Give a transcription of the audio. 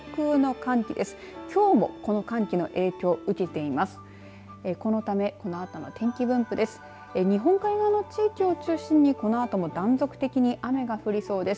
このため、きょうこのあとの天気分布です。